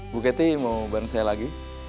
bu kety mau bareng saya lagi